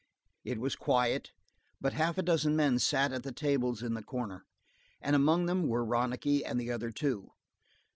It was quiet, but half a dozen men sat at the tables in the corner, and among them were Ronicky and the other two.